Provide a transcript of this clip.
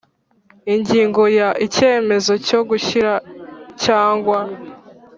Ingingo ya Icyemezo cyo gushyira cyangwa